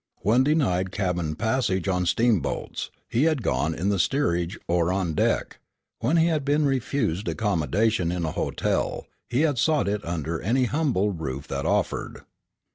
When denied cabin passage on steamboats, he had gone in the steerage or on deck. When he had been refused accommodation in a hotel, he had sought it under any humble roof that offered.